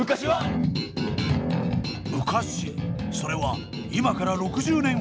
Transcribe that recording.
昔それは今から６０年ほど前。